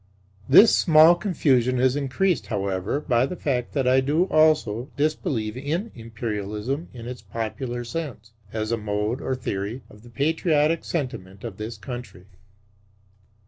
This small confusion is increased, however, by the fact that I do also disbelieve in Imperialism in its popular sense, as a mode or theory of the patriotic sentiment of this country.